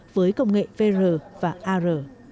với công nghệ vr và ar